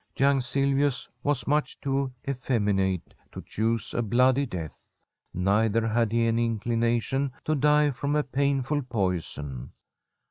Young Silvius was much too effeminate to choose a bloody death. Neither had he any in clination to (lie from a painful poison.